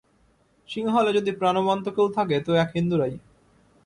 সিংহলে যদি প্রাণবন্ত কেউ থাকে তো এক হিন্দুরাই।